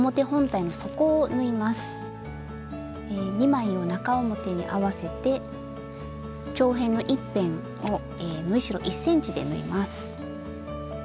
２枚を中表に合わせて長辺の１辺を縫い代１ｃｍで縫います。